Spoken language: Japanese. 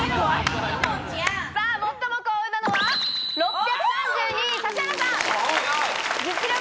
最も幸運なのは６３２位、指原さん。